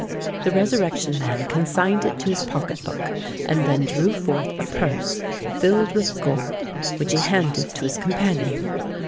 The Resurrection Man consigned it to his pocket book, and then drew forth a purse filled with gold, which he handed to his companion.